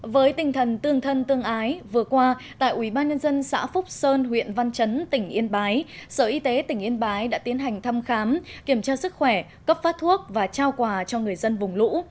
với tinh thần tương thân tương ái vừa qua tại ubnd xã phúc sơn huyện văn chấn tỉnh yên bái sở y tế tỉnh yên bái đã tiến hành thăm khám kiểm tra sức khỏe cấp phát thuốc và trao quà cho người dân vùng lũ